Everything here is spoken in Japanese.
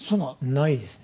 ないですね。